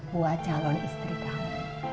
buat calon istri kamu